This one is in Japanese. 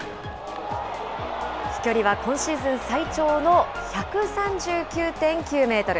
飛距離は今シーズン最長の１３９．９メートル。